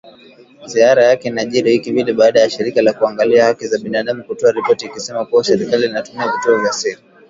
Ziara yake inajiri wiki mbili baada ya shirika la kuangalia haki za binadamu kutoa ripoti ikisema kuwa serikali inatumia vituo vya siri.